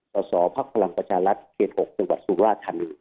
ต่อสอบภักดิ์พลังประชารัฐเกษตร๖จังหวัดสุราชธรรมนี้